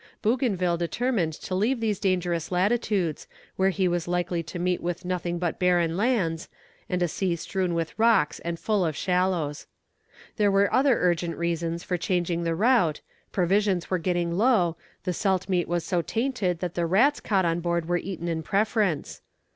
Bougainville determined to leave these dangerous latitudes, where he was likely to meet with nothing but barren lands, and a sea strewn with rocks and full of shallows. There were other urgent reasons for changing the route, provisions were getting low, the salt meat was so tainted, that the rats caught on board were eaten in preference.